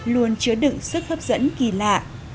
luôn chứa đựng sức hấp dẫn kỳ lạ